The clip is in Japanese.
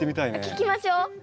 聞きましょ。